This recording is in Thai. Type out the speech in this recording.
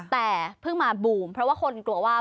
แต่เพิ่งมาบูมเพราะว่าคนกลัวว่า